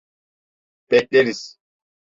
Bekleriz.